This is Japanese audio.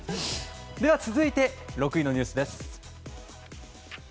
続いて６位のニュースです。